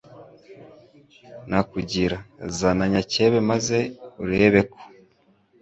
nakugira zana nyakebe maze urebe ko